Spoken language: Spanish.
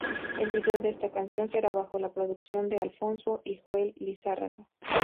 El video de esta canción será bajo la producción de Alfonso y Joel Lizárraga.